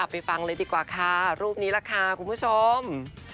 ไปฟังเลยดีกว่าค่ะรูปนี้แหละค่ะคุณผู้ชม